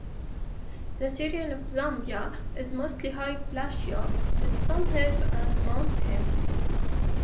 The terrain of Zambia is mostly high plateau, with some hills and mountains.